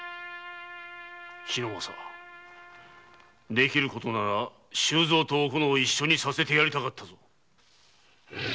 できることなら周蔵とおこのを一緒にさせてやりたかったぞ！